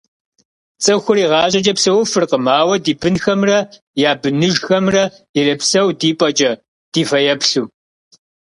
Цӏыхур игъащӏэкӏэ псэуфыркъым, ауэ ди бынхэмрэ я быныжхэмрэ ирепсэу ди пӏэкӏэ, ди фэеплъу…